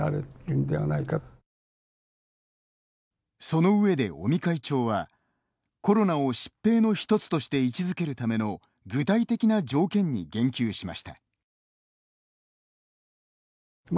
その上で尾身会長はコロナを疾病の一つとして位置づけるための具体的な条件に言及しました。